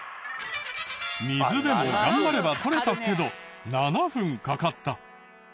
水でも頑張れば取れたけど７分かかった。